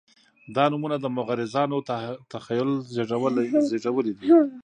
دا نومونه د مغرضانو تخیل زېږولي دي.